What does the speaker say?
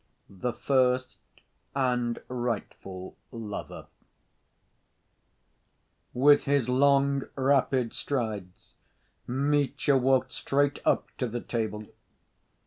The First And Rightful Lover With his long, rapid strides, Mitya walked straight up to the table.